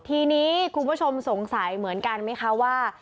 ทีนี้คุณผู้ชมสงสัยเหมือนกันไหมคะว่า